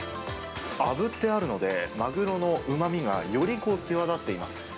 あぶってあるので、マグロのうまみがより際立っています。